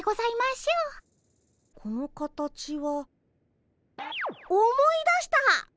この形は思い出した！